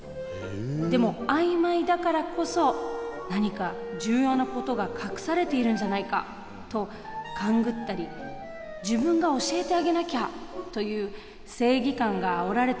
でもあいまいだからこそ何か重要なことが隠されているんじゃないかと勘ぐったり自分が教えてあげなきゃという正義感があおられてしまうんです。